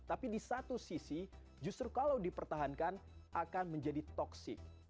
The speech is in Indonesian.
tapi di satu sisi justru kalau dipertahankan akan menjadi toxic